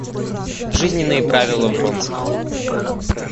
Жизненные правила Вронского.